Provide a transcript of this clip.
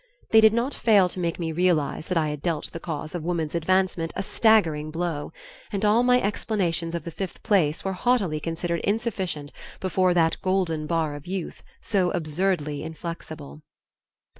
They did not fail to make me realize that I had dealt the cause of woman's advancement a staggering blow, and all my explanations of the fifth place were haughtily considered insufficient before that golden Bar of Youth, so absurdly inflexible!